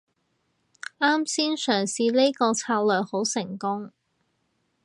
啱先嘗試呢個策略好成功